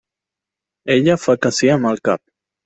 Ella fa que sí amb el cap.